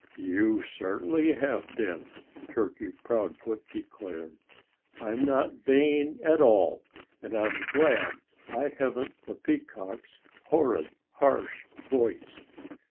"You certainly have been," Turkey Proudfoot declared. "I'm not vain at all and I'm glad I haven't the Peacock's horrid, harsh voice.